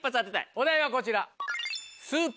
お題はこちら。